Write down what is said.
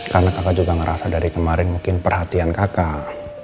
karena kakak juga ngerasa dari kemarin mungkin perhatian kakak